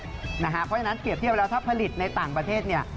เพราะฉะนั้นเปรียบเทียบแล้วถ้าผลิตในต่างประเทศเนี่ย